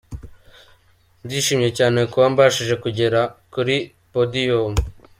Ndishimye cyane kuba mbashije kugera kuri ‘Podiyumu’.